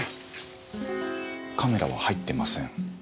カメラは入ってません。